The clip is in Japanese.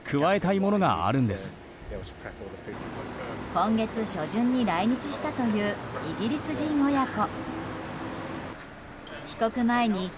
今月初旬に来日したというイギリス人親子。